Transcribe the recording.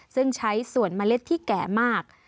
ซึ่งใช้ส่วนเมล็ดที่แก่มาก